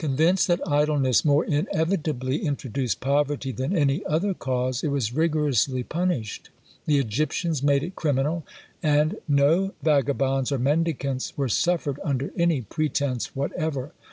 Convinced that idleness more inevitably introduced poverty than any other cause, it was rigorously punished; the Egyptians made it criminal, and no vagabonds or mendicants were suffered under any pretence whatever.